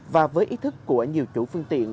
và với ý thức của nhiều chủ phương tiện